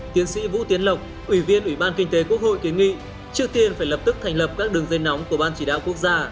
tiến sĩ vũ tiến lộc ủy viên ủy ban kinh tế quốc hội kiến nghị trước tiên phải lập tức thành lập các đường dây nóng của ban chỉ đạo quốc gia